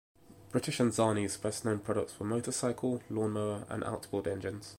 British Anzani's best known products were motorcycle, lawnmower and outboard engines.